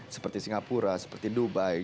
seperti singapura seperti dubai